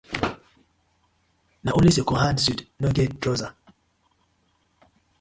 Na only second hand suit no dey get trouser.